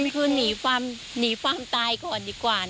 มันคือหนีป่าี่ตายก่อนดีกว่า